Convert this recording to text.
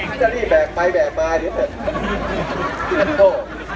เอ้อเอ้อเจ๊ดี้แบ่งไปแบ่งไปหรือว่ะ